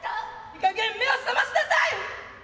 いいかげん目を覚ましなさい！